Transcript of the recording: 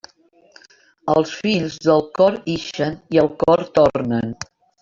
Els fills, del cor ixen i al cor tornen.